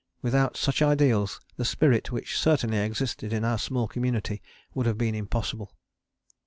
Without such ideals the spirit which certainly existed in our small community would have been impossible.